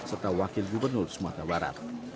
serta wakil gubernur sumatera barat